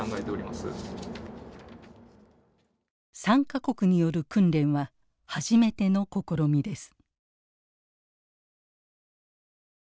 ３か国による訓練は初めての試みです。